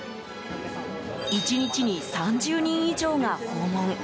１日に３０人以上が訪問。